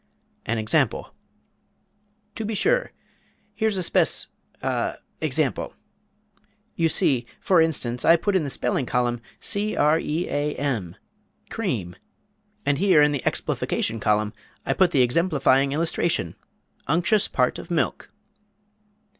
"An example " "To be sure here's a spes a example; you see, for instance, I put in the spelling column, C r e a m, cream, and here in the explification column, I put the exemplifying illustration _Unctious part of milk!